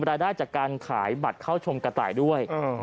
รายได้จากการขายบัตรเข้าชมกระต่ายด้วย